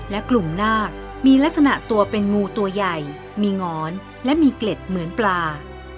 และกลุ่มนาคมีลักษณะตัวเป็นงูตัวใหญ่มีหงอนและมีเกล็ดเหมือนปลา